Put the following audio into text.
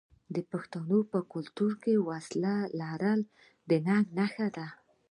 د پښتنو په کلتور کې د وسلې لرل د ننګ نښه ده.